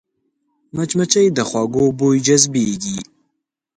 مچمچۍ د خوږو بویو جذبېږي